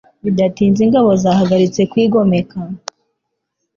Bidatinze ingabo zahagaritse kwigomeka.